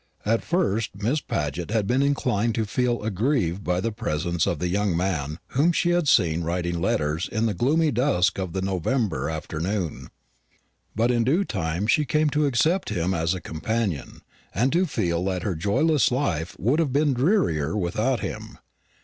At first Miss Paget had been inclined to feel aggrieved by the presence of the young man whom she had seen writing letters in the gloomy dusk of the November afternoon; but in due time she came to accept him as a companion, and to feel that her joyless life would have been drearier without him.